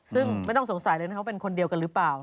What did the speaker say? ซึ่งไม่ต้องสงสัยเลยนะครับว่าเป็นคนเดียวกันหรือเปล่า